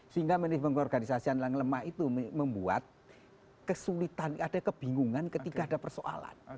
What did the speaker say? sehingga manajemen keorganisasian yang lemah itu membuat kesulitan ada kebingungan ketika ada persoalan